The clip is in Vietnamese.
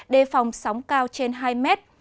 đề phòng sóng cao trên hai mét